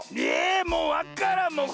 えもうわからん！